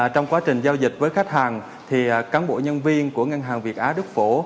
trong quá trình giao dịch với khách hàng cán bộ nhân viên của ngân hàng việt á đức phổ